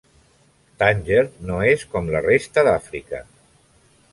Tànger no és com la resta d'Àfrica.